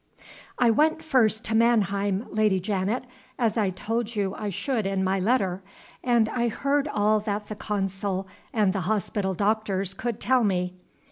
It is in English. "I WENT first to Mannheim, Lady Janet, as I told you I should in my letter, and I heard all that the consul and the hospital doctors could tell me.